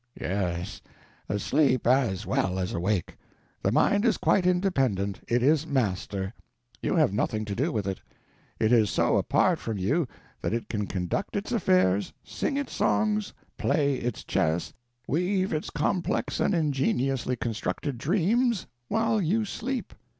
Yes, asleep as well as awake. The mind is quite independent. It is master. You have nothing to do with it. It is so apart from you that it can conduct its affairs, sing its songs, play its chess, weave its complex and ingeniously constructed dreams, while you sleep.